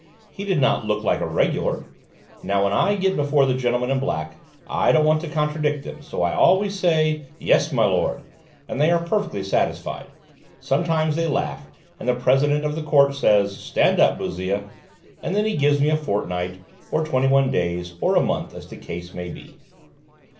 He did not look like a regular! Now when I get before the gentlemen in black, I don't want to contradict them, and so I always say, 'Yes, my lord,' and they are perfectly satisfied; sometimes they laugh and the president of the court says, 'Stand up, Bouzille,' and then he gives me a fortnight, or twenty one days, or a month, as the case may be."